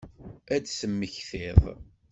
Ad temmektiḍ?